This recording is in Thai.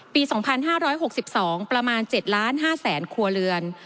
ปี๒๕๖๒ประมาณ๗๕๐๐๐ครัวเรือน